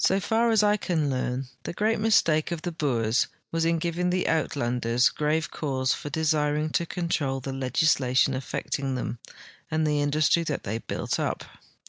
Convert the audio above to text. So far as I can learn, the great mistake of the Boers was in giving the Uitlanders grave cause for desiring to control the legislation affecting them and the industiw the}' had built up.